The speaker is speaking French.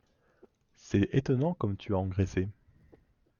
c’est étonnant comme tu as engraissé !